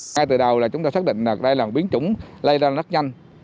ngay từ đầu chúng ta xác định đây là một biến chủng lây ra rất nhanh